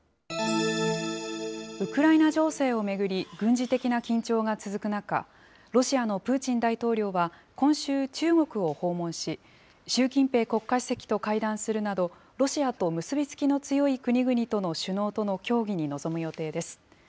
ウクライナ情勢を巡り、軍事的な緊張が続く中、ロシアのプーチン大統領は、今週、中国を訪問し、習近平国家主席と会談するなど、ロシアと結び付きの強い国々の首脳との協議に臨む予定です。